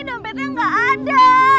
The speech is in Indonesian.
dompetnya gak ada